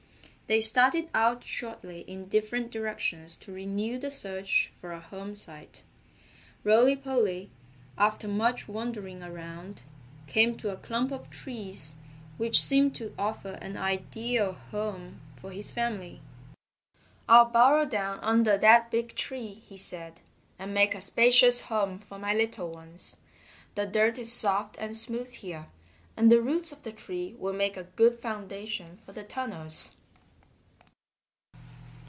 They started out shortly in different directions to renew the search for a home site. Rolly Polly, after much wandering around, came to a clump of trees which seemed to offer an ideal home for his family. "I'll burrow down under that big tree," he said, "and make a spacious home for my little ones. The dirt is soft and smooth here, and the roots of the tree will make a good foundation for the tunnels."